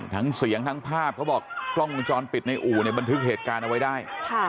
เสียงทั้งภาพเขาบอกกล้องวงจรปิดในอู่เนี่ยบันทึกเหตุการณ์เอาไว้ได้